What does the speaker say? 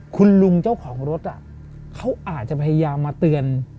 คุณลุงเจ้าของรถเขาอาจจะพยายามมาเตือน